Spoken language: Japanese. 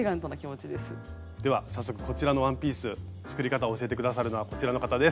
では早速こちらのワンピース作り方を教えて下さるのはこちらの方です。